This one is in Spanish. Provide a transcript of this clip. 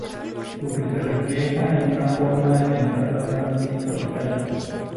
Lo que se refleja en una forma de pensar bastante igualitaria.